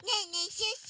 シュッシュ。